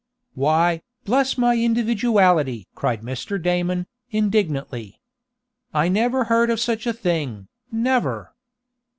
"Why, bless my individuality!" cried Mr. Damon, indignantly. "I never heard of such a thing! Never!"